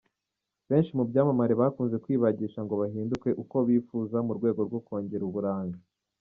Benshi mu byamamare bakunze kwibagisha ngo bahinduke uko bifuza, mu rwego rwo kongera uburanga.